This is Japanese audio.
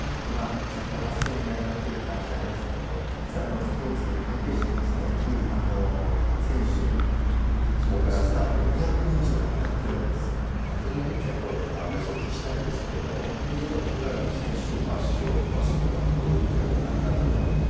先ほど、８０００人亡くなっているという話ありましたけれども、実はスポーツ関係者も、選手、それからスタッフ２００人以上、これね、ちょっと大地さん、お聞きしたいんですけれども、当然ウクライナの選手、出場する方も当然いるけれども、亡くなっている方もいる。